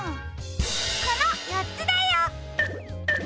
このよっつだよ！